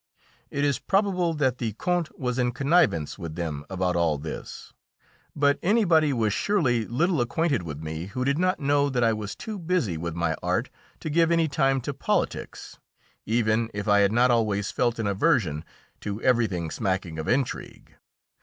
It is probable that the Count was in connivance with them about all this, but anybody was surely little acquainted with me who did not know that I was too busy with my art to give any time to politics, even if I had not always felt an aversion to everything smacking of intrigue.